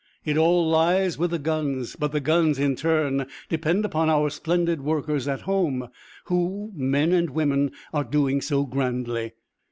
It all lies with the guns. But the guns, in turn, depend upon our splendid workers at home, who, men and women, are doing so grandly.